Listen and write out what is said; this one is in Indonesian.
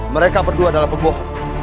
mereka berdua adalah pembohong